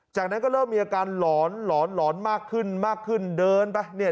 จากนั้นก็เริ่มมีอาการหลอนหลอนหลอนมากขึ้นมากขึ้นเดินไปเนี่ย